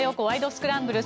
スクランブル」。